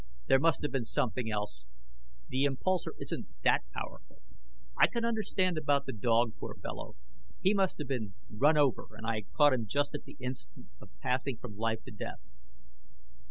There must have been something else. The impulsor isn't that powerful. I can understand about the dog, poor fellow. He must have been run over, and I caught him just at the instant of passing from life to death."